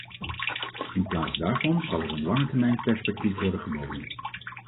In plaats daarvan zal er een langetermijnperspectief worden geboden.